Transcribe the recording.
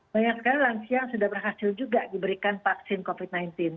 banyak sekali lansia yang sudah berhasil juga diberikan vaksin covid sembilan belas